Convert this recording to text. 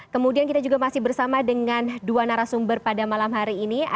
kemudian kita juga masih bersama dengan dua narasumber pada malam hari ini